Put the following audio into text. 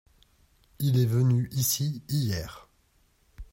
Il est venu ici hier.